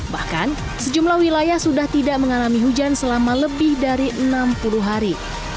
bahkan sejumlah wilayah sudah tidak mengalami hujan selama lebih dari enam puluh hari